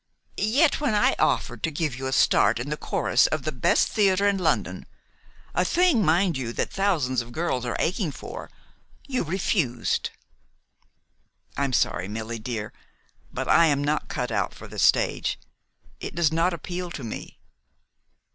"Yet when I offered to give you a start in the chorus of the best theater in London, a thing, mind you, that thousands of girls are aching for, you refused." "I'm sorry, Millie dear; but I am not cut out for the stage. It does not appeal to me."